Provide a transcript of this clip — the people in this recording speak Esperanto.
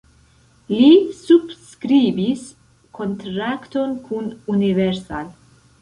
Li subskribis kontrakton kun Universal.